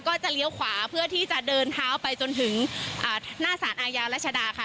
ก็จะเลี้ยวขวาเพื่อที่จะเดินเท้าไปจนถึงหน้าสารอาญารัชดาค่ะ